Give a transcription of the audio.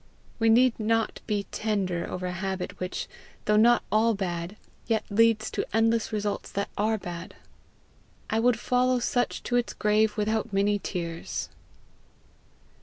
We need not be tender over a habit which, though not all bad, yet leads to endless results that are all bad. I would follow such to its grave without many tears!